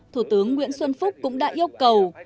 thủ tướng nguyễn xuân phúc cũng đã yêu cầu